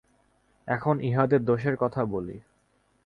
এখন ইহাদের দোষের কথা বলি।